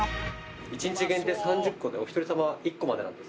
１日限定３０個でお一人様１個までなんですよ。